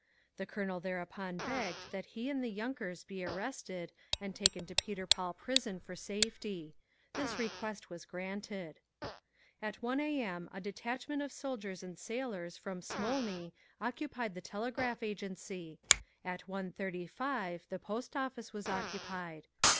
_ The Colonel thereupon begged that he and the yunkers be arrested and taken to Peter Paul prison for safety. This request was granted. At 1 A. M. a detachment of soldiers and sailors from Smolny occupied the Telegraph Agency. At 1.35 the Post Office was occupied.